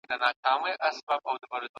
ګل غوندي مېرمن مي پاک الله را پېرزو کړې `